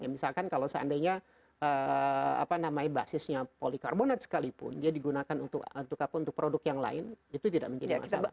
misalkan kalau seandainya basisnya polikarbonat sekalipun dia digunakan untuk produk yang lain itu tidak menjadi masalah